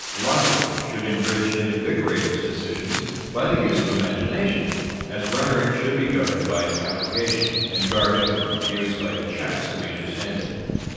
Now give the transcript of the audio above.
Logic should enrich and invigorate its decisions by the use of imagination; as rhetoric should be governed in its application, and guarded from abuse by the checks of the understanding.